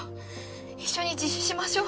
一緒に自首しましょう。